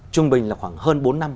trung bình là khoảng hơn bốn năm